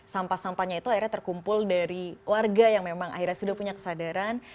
sampah sampahnya itu akhirnya terkumpul dari warga yang memang akhirnya sudah punya kesadaran